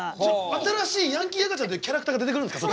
新しいヤンキー赤ちゃんっていうキャラクターが出てくるんですか？